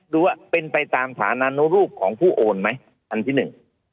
ดูว่าเป็นไปตามฐานานุรูปของผู้โอนไหมอันที่หนึ่ง